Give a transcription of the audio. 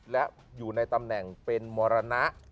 และอยู่ในตำแหน่งเป็นมรณะ